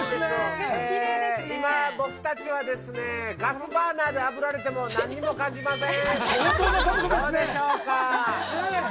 今、僕たちはガスバーナーであぶられても何も感じません。